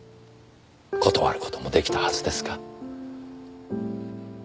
断る事も出来たはずですが。